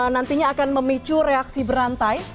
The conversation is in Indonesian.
nantinya akan memicu reaksi berantai